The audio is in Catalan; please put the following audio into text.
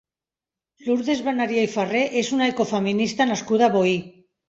Lourdes Beneria i Farré és una ecofeminista nascuda a Boí.